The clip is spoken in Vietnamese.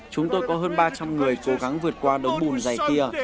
chúng tôi có hơn ba trăm linh người cố gắng vượt qua đống bùn dày kia